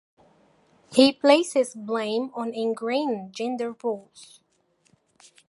He places blame on ingrained gender roles.